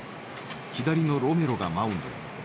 左のロメロがマウンドへ。